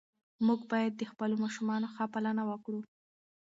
موږ باید د خپلو ماشومانو ښه پالنه وکړو.